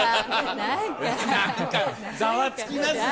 何かざわつきますね。